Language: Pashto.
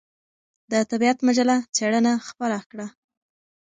د طبعیت مجله څېړنه خپره کړه.